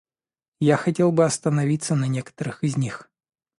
Я хотел бы остановиться на некоторых из них.